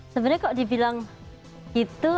sebenernya kok dibilang gitu